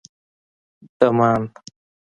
_ډمان